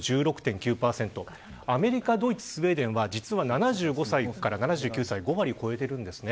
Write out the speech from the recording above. アメリカ、ドイツスウェーデンは、実は７５歳から７９歳が５割を超えています。